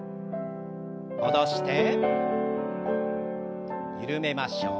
戻して緩めましょう。